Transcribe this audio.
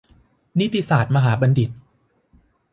นิติศาสตรมหาบัณฑิต